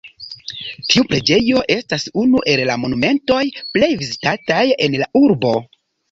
Tiu preĝejo estas unu el la monumentoj plej vizitataj en la urbo.